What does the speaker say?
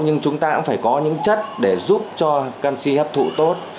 nhưng chúng ta cũng phải có những chất để giúp cho canxi hấp thụ tốt